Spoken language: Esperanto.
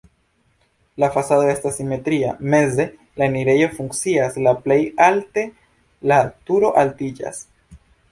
La fasado estas simetria, meze la enirejo funkcias, la plej alte la turo altiĝas.